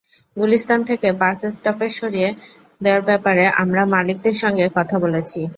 গুলিস্তান থেকে bus stoppage সরিয়ে দেওয়ার ব্যাপারে আমরা মালিকদের সঙ্গে কথা বলেছি।